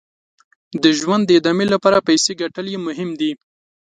د ژوند د ادامې لپاره پیسې ګټل یې مهم دي.